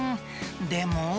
でも。